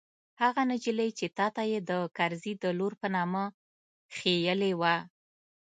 هغه نجلۍ چې تا ته يې د کرزي د لور په نامه ښييلې وه.